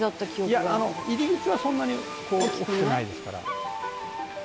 「いや入り口はそんなに大きくないですから」